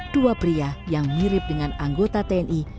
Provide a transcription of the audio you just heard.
dua pria yang mirip dengan anggota tni